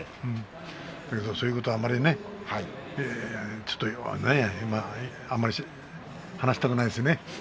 だけどそういうことはあまりねあまり話したくないですね